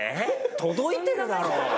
届いてるだろ！